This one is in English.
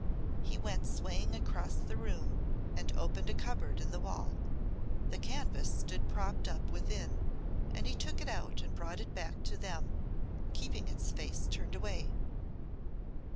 He went swaying across the room, and opened a cupboard in the wall. The canvas stood propped up within, and he took it out and brought it back to them keeping its face turned away.